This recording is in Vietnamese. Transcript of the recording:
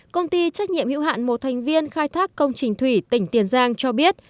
công ty trách nhiệm hữu hạn một thành viên khai thác công trình thủy tỉnh tiền giang cho biết